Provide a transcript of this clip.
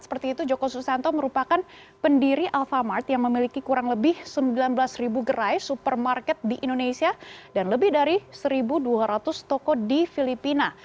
seperti itu joko susanto merupakan pendiri alfamart yang memiliki kurang lebih sembilan belas gerai supermarket di indonesia dan lebih dari satu dua ratus toko di filipina